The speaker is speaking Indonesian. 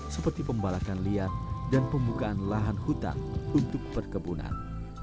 seperti pembalakan liar dan pembukaan lahan hutan untuk perkebunan